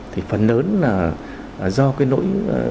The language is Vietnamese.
thì phần lớn là do cái nỗi